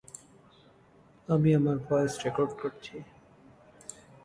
হার্টের তালিকায় প্রথম ব্যক্তি ছিলেন মুহাম্মদ, যাকে যিশু অথবা মোশির চেয়ে বেছে নেওয়া হয়েছিল।